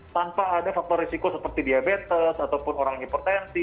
tanpa ada faktor risiko seperti diabetes ataupun orang hipertensi